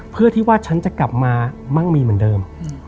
เพื่อที่ว่าฉันจะกลับมามั่งมีเหมือนเดิม